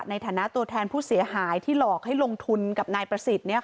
ในฐานะตัวแทนผู้เสียหายที่หลอกให้ลงทุนกับนายประสิทธิ์